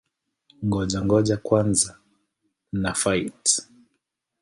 Ngoja-ngoja kwanza na-fight!